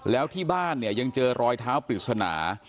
แล้วที่บ้านเนี่ยยังเจอรอยเท้าปริศนา